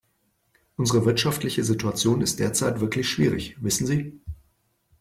Unsere wirtschaftliche Situation ist derzeit wirklich schwierig, wissen Sie.